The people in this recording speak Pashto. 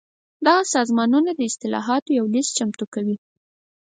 دغه سازمانونه د اصلاحاتو یو لېست چمتو کوي.